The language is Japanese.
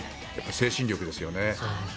精神力ですよね。